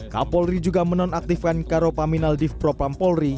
kapolri juga menonaktifkan karopaminal div propampolri